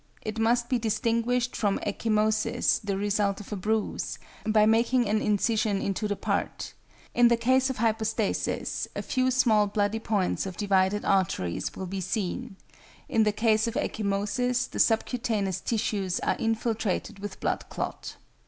It must be distinguished from ecchymosis the result of a bruise, by making an incision into the part; in the case of hypostasis a few small bloody points of divided arteries will be seen, in the case of ecchymosis the subcutaneous tissues are infiltrated with blood clot.